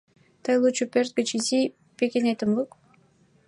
— Тый лучо пӧрт гыч изи пӱкенетым лук.